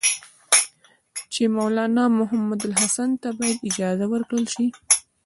چې مولنا محمودالحسن ته باید اجازه ورکړل شي.